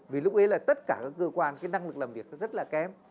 vì lúc ấy là tất cả các cơ quan cái năng lực làm việc nó rất là kém